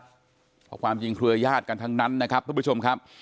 เพราะความจริงเครือญาติกันทั้งนั้นนะครับทุกผู้ชมครับ